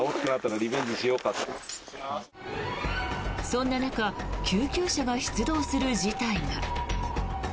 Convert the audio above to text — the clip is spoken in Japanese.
そんな中救急車が出動する事態が。